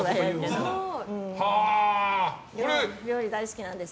料理大好きなんです。